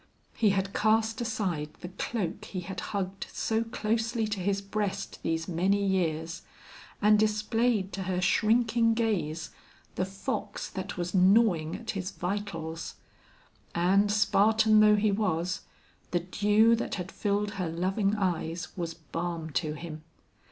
He had cast aside the cloak he had hugged so closely to his breast these many years, and displayed to her shrinking gaze the fox that was gnawing at his vitals; and Spartan though he was, the dew that had filled her loving eyes was balm to him.